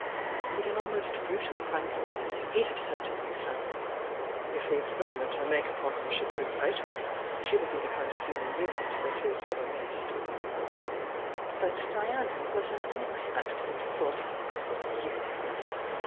With an almost brutal frankness, ho had said to himself: "If the experiment I make upon her should prove fatal, she will be the kind of hu man unit that is never missed." But Diana was an unexpected sort of "unit."